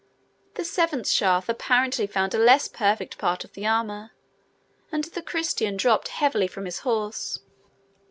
The seventh shaft apparently found a less perfect part of the armour, and the Christian dropped heavily from his horse.